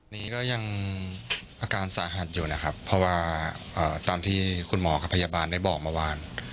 นี้ก็ยังอาการสาหัสอยู่นะครับเพราะว่าตามที่คุณหมอกับพยาบาลได้บอกเมื่อวาน